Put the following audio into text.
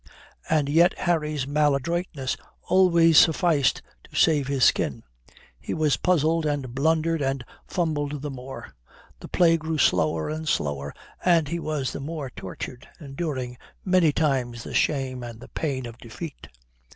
And yet Harry's maladroitness always sufficed to save his skin. He was puzzled, and blundered and fumbled the more. The play grew slower and slower, and he was the more tortured, enduring many times the shame and the pain of defeat.